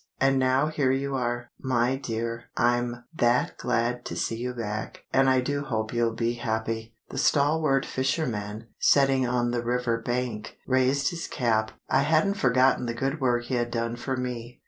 "And now here you are. My dear, I'm that glad to see you back, and I do hope you'll be happy." The stalwart fisherman, standing on the river bank, raised his cap—I hadn't forgotten the good work he had done for me.